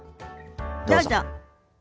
どうぞ。